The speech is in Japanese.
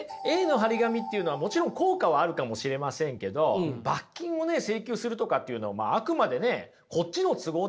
Ａの貼り紙っていうのはもちろん効果はあるかもしれませんけど罰金を請求するとかっていうのはあくまでこっちの都合ですよね。